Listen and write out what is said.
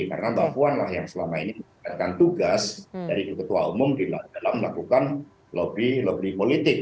karena mbak puan lah yang selama ini memperkatakan tugas dari ketua umum di dalam lakukan pertemuan